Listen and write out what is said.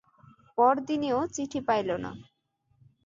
পরদিনেও চিঠি পাইল না।